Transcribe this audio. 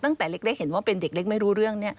ตั้งแต่เล็กเห็นว่าเป็นเด็กเล็กไม่รู้เรื่อง